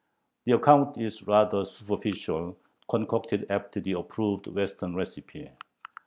The account is rather superficial, concocted after the approved Western recipe.